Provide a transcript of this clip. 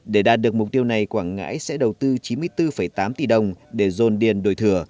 để đạt được mục tiêu này quảng ngãi sẽ đầu tư chín mươi bốn tám tỷ đồng để dồn điền đổi thừa